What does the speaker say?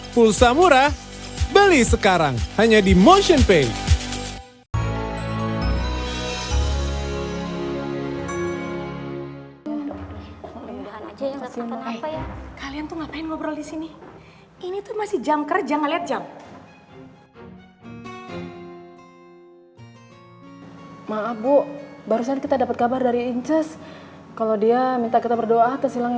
pulsa murah beli sekarang hanya di motionpay